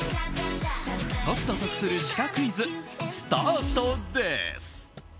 解くと得するシカクイズスタートです！